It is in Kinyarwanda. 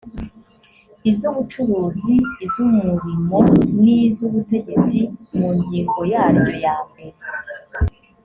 iz ubucuruzi iz umurimo n iz ubutegetsi mu ngingo yaryo ya mbere